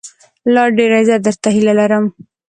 لا ډېر عزت، درته هيله لرم